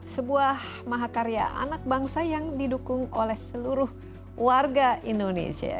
sebuah mahakarya anak bangsa yang didukung oleh seluruh warga indonesia